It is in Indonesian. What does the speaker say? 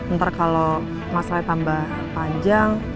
ntar kalau masalahnya tambah panjang